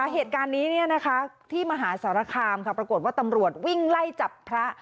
เหตุการณ์นี้ที่มหาสารคามปรากฏว่าตำรวจวิ่งไล่จับพระ